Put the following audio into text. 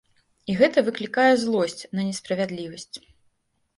І гэта выклікае злосць на несправядлівасць.